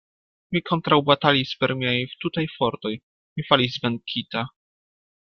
Mi kontraŭbatalis per miaj tutaj fortoj: mi falis venkita.